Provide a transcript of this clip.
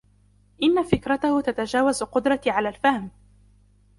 إن فكرته تتجاوز قدرتي على الفهم.